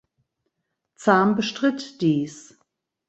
Zam bestritt dies.